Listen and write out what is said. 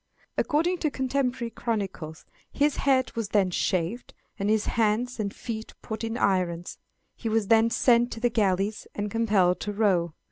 According to contemporary chronicles, his head was then shaved, and his hands and feet put in irons; he was then sent to the galleys, and compelled to row.